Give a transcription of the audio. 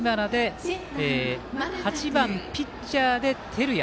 ８番、ピッチャーで照屋。